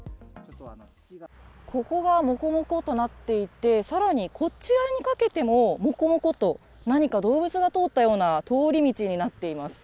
ここがもこもこっとなっていて、さらにこちらにかけてももこもこと、何か動物が通ったような通り道になっています。